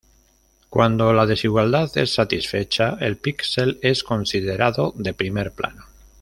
Cuando la desigualdad es satisfecha, el píxel es considerado de primer plano.